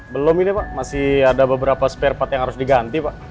belum ini pak masih ada beberapa spare part yang harus diganti pak